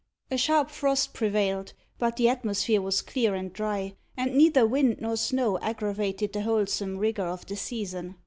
A sharp frost prevailed; but the atmosphere was clear and dry, and neither wind nor snow aggravated the wholesome rigour of the season.